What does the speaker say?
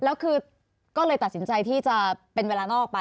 แล้วคือก็เลยตัดสินใจที่จะเป็นเวลานอกไป